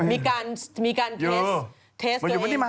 มีการทดสอบทดสอบกันเองอยู่มาอยู่ตรงนี้มา